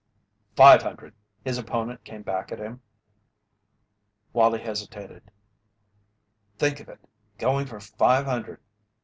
"Five hundred!" his opponent came back at him. Wallie hesitated. "Think of it! Going for five hundred!"